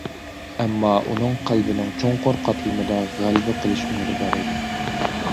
ئەمما ئۇنىڭ قەلبىنىڭ چوڭقۇر قاتلىمىدا غەلىبە قىلىش ئۈمىدى بار ئىدى.